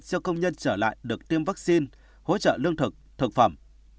cho công nhân trở lại được tiêm vaccine hỗ trợ lương thực thực phẩm